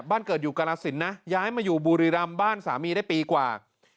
บ้านเกิดอยู่กรสินนะย้ายมาอยู่บุรีรำบ้านสามีได้ปีกว่า